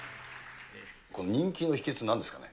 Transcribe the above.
人気の秘けつはなんですかね？